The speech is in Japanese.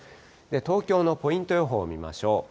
東京のポイント予報を見ましょう。